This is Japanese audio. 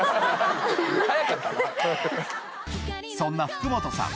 そんな福本さん